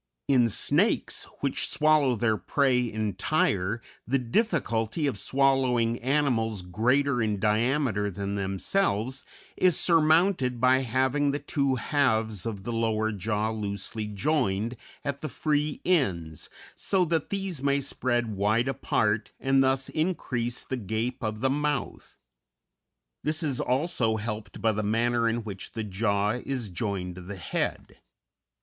In snakes, which swallow their prey entire, the difficulty of swallowing animals greater in diameter than themselves is surmounted by having the two halves of the lower jaw loosely joined at the free ends, so that these may spread wide apart and thus increase the gape of the mouth. This is also helped by the manner in which the jaw is joined to the head.